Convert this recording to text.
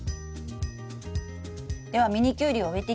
ではミニキュウリを植えていきましょう。